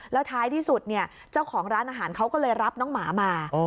แล้วท้ายที่สุดเนี่ยเจ้าของร้านอาหารเขาก็เลยรับน้องหมามา